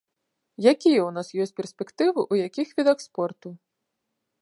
Якія ў нас ёсць перспектывы ў якіх відах спорту?